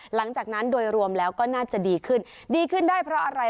หลังจากนั้นโดยรวมแล้วก็น่าจะดีขึ้นดีขึ้นได้เพราะอะไร